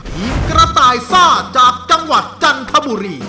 ทีมกระต่ายซ่าจากจังหวัดจันทบุรี